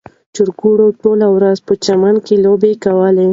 چرګوړو ټوله ورځ په چمن کې لوبې کولې.